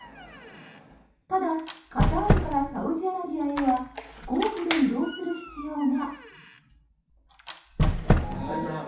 ただ、カタールからサウジアラビアへは飛行機で移動する必要が。